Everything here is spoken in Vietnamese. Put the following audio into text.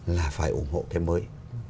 là phải ủng hộ cái mới